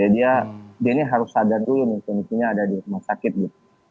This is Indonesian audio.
dia ini harus sadar dulu nih kondisinya ada di rumah sakit gitu